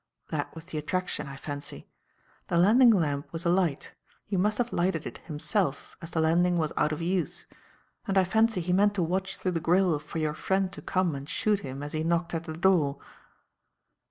That was the attraction, I fancy. The landing lamp was alight he must have lighted it himself, as the landing was out of use and I fancy he meant to watch through the grille for your friend to come and shoot him as he knocked at the door."